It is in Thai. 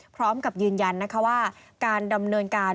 พร้อมกับยืนยันนะคะว่าการดำเนินการ